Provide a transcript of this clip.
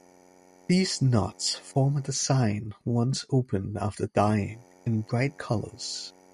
These knots form a design once opened after dyeing in bright colours.